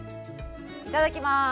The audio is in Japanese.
いただきます。